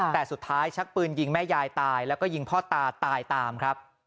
แต่สุดท้ายชักปืนยิงแม่ยายตายแล้วก็ยิงพ่อตาตายตามครับ